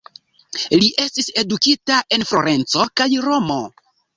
Li estis edukita en Florenco kaj Romo.